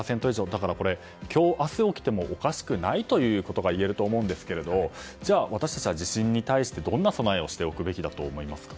だから今日明日起きてもおかしくないといえると思いますがじゃあ、私たちは地震に対してどんな備えをしておくべきだと思いますか？